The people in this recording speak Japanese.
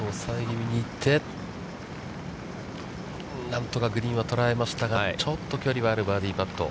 何とかグリーンは捉えましたが、ちょっと距離はあるバーディーパット。